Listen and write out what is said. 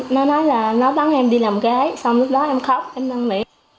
nó nói là nó bắn em đi làm gái xong lúc đó em khóc em đang nghĩ